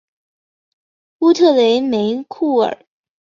乌特雷梅库尔。